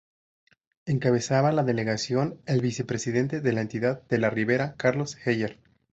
Encabezaba la delegación el Vicepresidente de la entidad de la ribera Carlos Heller.